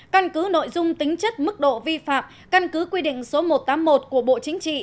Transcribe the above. căn cứ nội dung tính chất mức độ vi phạm căn cứ quy định số một trăm tám mươi một của bộ chính trị